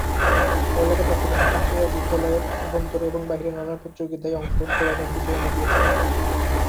পড়ালেখার পাশাপাশি ছাত্রীরা বিদ্যালয়ের অভ্যন্তরে এবং বাহিরে নান প্রতিযোগীতায় অংশগ্রহণ করে অনেক বিজয় এনে দিয়েছে।